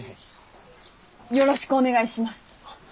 よろしくお願いします。